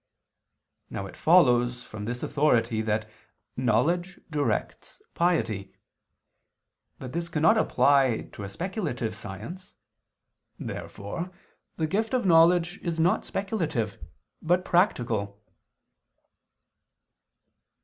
Now it follows from this authority that knowledge directs piety. But this cannot apply to a speculative science. Therefore the gift of knowledge is not speculative but practical.